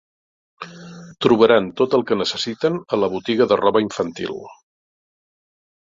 Trobaran tot el que necessiten a la botiga de roba infantil.